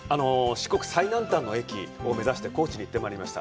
四国最南端の駅を目指して高知に行ってまいりました。